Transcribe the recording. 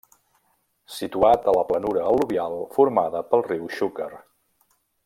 Situat a la planura al·luvial formada pel riu Xúquer.